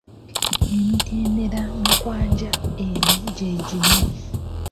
Emitendera mu nkwajja eno gye gino.